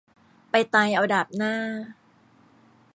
ไปตายเอาดาบหน้า